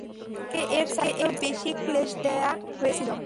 তাকে এর চাইতেও বেশি ক্লেশ দেয়া হয়েছিল।